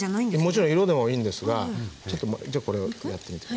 もちろん色でもいいんですがちょっとじゃあこれをやってみて下さい。